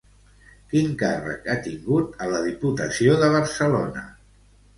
Quin càrrec ha tingut a la Diputació de Barcelona?